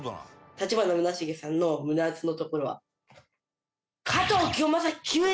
立花宗茂さんの胸アツなところは。